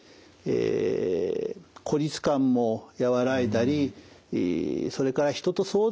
孤立感も和らいだりそれから人と相談する。